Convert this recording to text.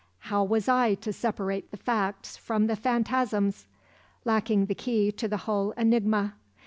How was I to separate the facts from the phantasms—lacking the key to the whole enigma.